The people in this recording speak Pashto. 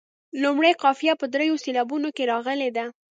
لومړۍ قافیه په دریو سېلابونو کې راغلې ده.